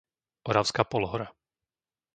Oravská Polhora